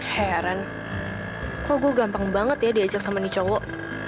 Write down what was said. heran kok gua gampang banget ya diajak sama ni cowok